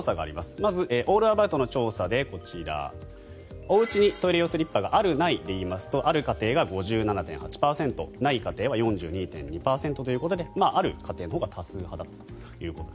まず、オールアバウトの調査でこちらおうちにトイレ用スリッパがある、ないで言いますとある家庭が５７．８％ない家庭は４２．２％である家庭のほうが多数派だったと。